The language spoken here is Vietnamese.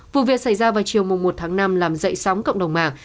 vụ việc xảy ra vào chiều một tháng năm làm dậy sóng cộng đồng mạng